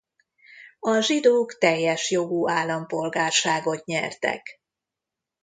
A zsidók teljes jogú állampolgárságot nyertek.